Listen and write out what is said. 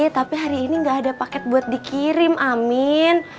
tapi hari ini gak ada paket buat dikirim amin